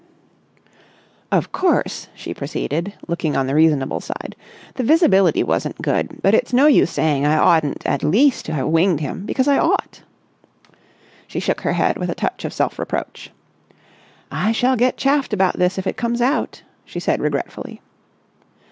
Of course," she proceeded, looking on the reasonable side, "the visibility wasn't good, but it's no use saying I oughtn't at least to have winged him, because I ought." She shook her head with a touch of self reproach. "I shall get chaffed about this if it comes out," she said regretfully.